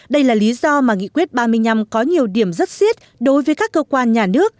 đây là lý do mà nghị quyết ba mươi năm có nhiều điểm rất siết đối với các cơ quan nhà nước